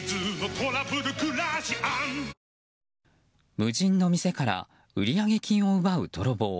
無人の店から売上金を奪う泥棒。